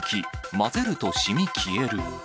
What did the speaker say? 混ぜると染み消える。